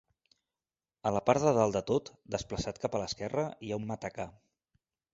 A la part de dalt de tot, desplaçat cap a l'esquerra, hi ha un matacà.